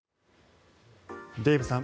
デーブさん